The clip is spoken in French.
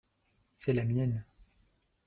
c'est la mienne.